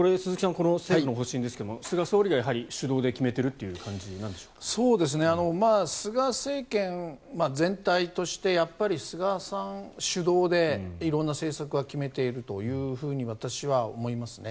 この政府の方針ですが菅総理がやはり主導で決めているという菅政権全体として菅さん主導で色んな政策は決めているというふうに私は思いますね。